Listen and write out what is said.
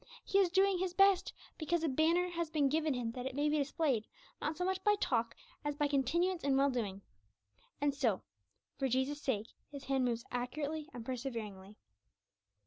He is doing his best, because a banner has been given him that it may be displayed, not so much by talk as by continuance in well doing. And so, for Jesus' sake, his hand moves accurately and perseveringly.